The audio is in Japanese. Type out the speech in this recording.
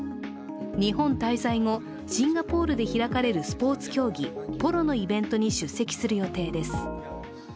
日本滞在後、シンガポールで開かれるスポーツ競技ポロのイベントに出席する予定です。